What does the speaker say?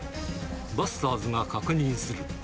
バスターズが確認する。